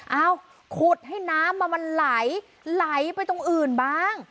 ขุดให้น้ำมันไหลไหลไปตรงอื่นบ้าง